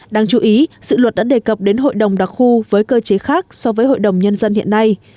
đáng chú ý dự luật đã đề cập đến hội đồng đặc khu với cơ chế khác so với hội đồng nhân dân hiện nay